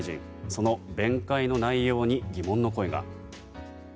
その弁解の内容に疑問の声が。